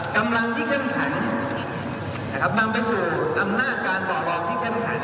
กำลังที่เข้มแข็งนะครับนำไปสู่อำนาจการต่อรองที่เข้มแข็ง